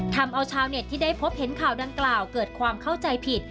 ทำเอาชาวเน็ตที่ได้พบเห็นข่าวดังกล่าวเกิดความเข้าใจผิด